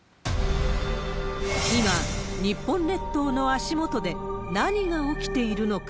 今、日本列島の足元で何が起きているのか。